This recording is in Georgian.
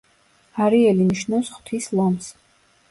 არიელი ნიშნავს „ღვთის ლომს“.